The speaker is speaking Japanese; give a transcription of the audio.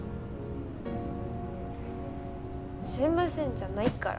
すみませんじゃないから。